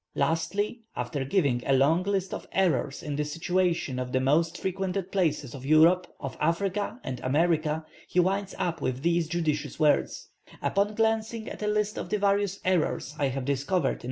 Lastly, after giving a long list of errors in the situation of the most frequented places of Europe, of Africa and America, he winds up with these judicious words: "Upon glancing at a list of the various errors I have discovered in M.